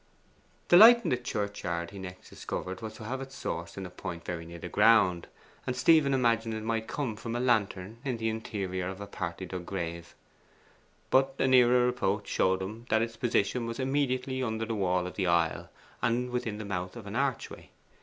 The light in the churchyard he next discovered to have its source in a point very near the ground, and Stephen imagined it might come from a lantern in the interior of a partly dug grave. But a nearer approach showed him that its position was immediately under the wall of the aisle, and within the mouth of an archway.